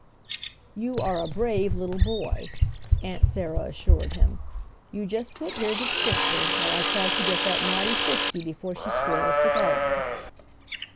"You are a brave little boy," Aunt Sarah assured him. "You just sit here with sister while I try to get that naughty Frisky before she spoils the garden."